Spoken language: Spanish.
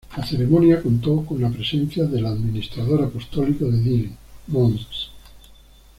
La ceremonia contó con la presencia del administrador apostólico de Dili, Mons.